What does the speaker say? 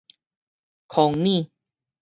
空耳